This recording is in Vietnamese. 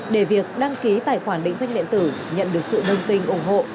để việc đăng ký tài khoản định danh điện tử nhận được sự đồng tình ủng hộ